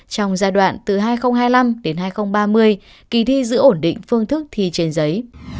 trong giai đoạn từ hai nghìn hai mươi năm đến hai nghìn ba mươi kỳ thi giữ ổn định phương thức thi trên giấy